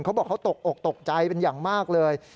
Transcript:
เขาบอกเขาตกอกตกใจเป็นอย่างมากเลย